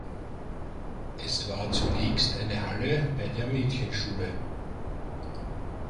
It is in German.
Es war zunächst eine Halle bei der Mädchenschule.